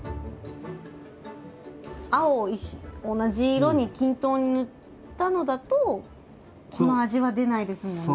青を同じ色に均等に塗ったのだとこの味は出ないですもんね。